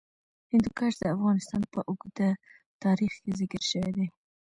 هندوکش د افغانستان په اوږده تاریخ کې ذکر شوی دی.